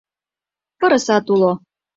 Пырысат уло.